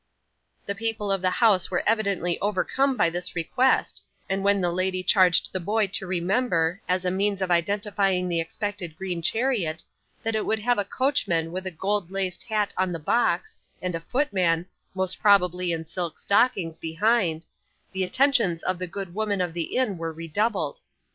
The people of the house were evidently overcome by this request, and when the lady charged the boy to remember, as a means of identifying the expected green chariot, that it would have a coachman with a gold laced hat on the box, and a footman, most probably in silk stockings, behind, the attentions of the good woman of the inn were redoubled.